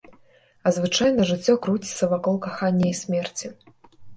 А звычайна жыццё круціцца вакол кахання і смерці.